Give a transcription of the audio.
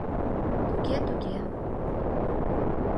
Туге, туге.